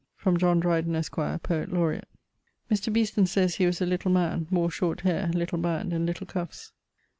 from John Dreyden, esq., Poet Laureate. Mr. Beeston sayes he was a little man, wore short haire, little band and little cuffs.